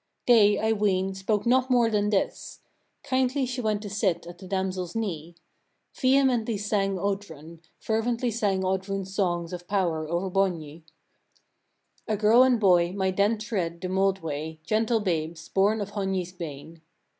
8. They, I ween, spoke not more than this: kindly she went to sit at the damsel's knee. Vehemently sang Oddrun, fervently sang Oddrun songs of power over Borgny. 9. A girl and boy might then tread the mould way, gentle babes, born of Hogni's bane.